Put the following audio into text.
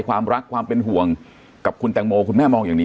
ความรักความเป็นห่วงกับคุณแตงโมคุณแม่มองอย่างนี้